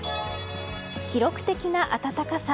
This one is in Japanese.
記録的な暖かさ。